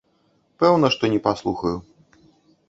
Пэўна, што не паслухаю.